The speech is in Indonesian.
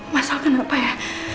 masal kenapa ya